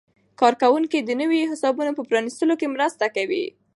کارکوونکي د نویو حسابونو په پرانیستلو کې مرسته کوي.